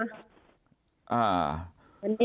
อ่า